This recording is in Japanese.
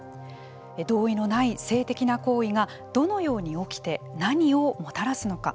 同意のない性的な行為がどのように起きて何をもたらすのか。